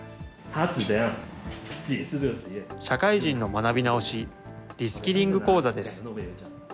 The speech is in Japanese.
社会人の学び直し・リスキリング講座です。